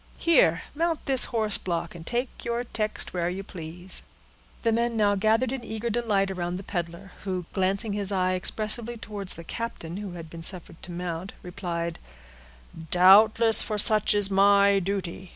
Here, mount this horseblock, and take your text where you please." The men now gathered in eager delight around the peddler, who, glancing his eye expressively towards the captain, who had been suffered to mount, replied,— "Doubtless, for such is my duty.